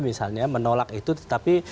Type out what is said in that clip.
menolak itu tetapi